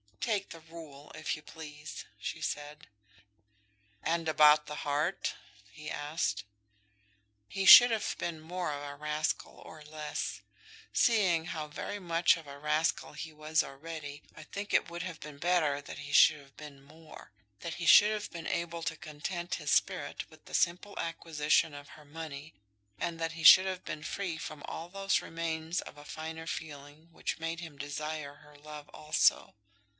"Take the rule, if you please," she said. "And about the heart?" he asked. He should have been more of a rascal or less. Seeing how very much of a rascal he was already, I think it would have been better that he should have been more, that he should have been able to content his spirit with the simple acquisition of her money, and that he should have been free from all those remains of a finer feeling which made him desire her love also.